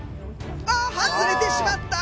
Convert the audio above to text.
あ外れてしまった！